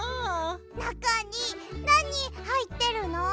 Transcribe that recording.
なかになにはいってるの？